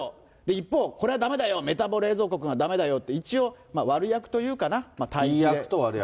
一方、これはだめだよ、メタボ冷蔵庫くんは、だめだよって、一応、悪役というかな、対役で。